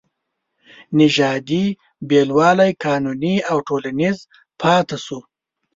نژادي بېلوالی قانوني او ټولنیز پاتې شو.